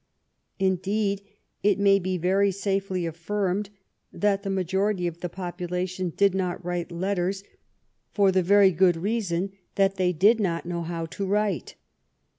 In deed, it may be very safely affirmed that the majority of the population did not write letters, for the very good reason that they did not know how to write.